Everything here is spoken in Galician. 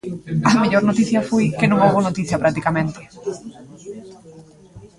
A mellor noticia foi que non houbo noticia practicamente.